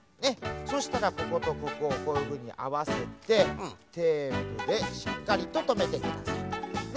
そしたらこことここをこういうふうにあわせてテープでしっかりととめてくださいね。